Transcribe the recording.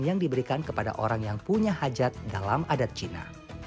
yang diberikan kepada orang yang punya hajat dalam adat cina